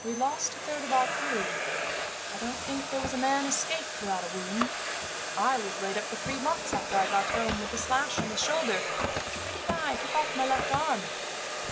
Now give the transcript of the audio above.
We lost a third of our crew. I don't think there was a man escaped without a wound. I was laid up for three months, after I got home, with a slash on the shoulder, which pretty nigh took off my left arm.